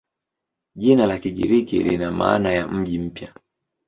Jina la Kigiriki lina maana ya "mji mpya".